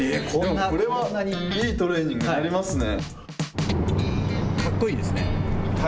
いいトレーニングになりますね。